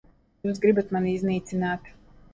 Jūs gribat mani iznīcināt.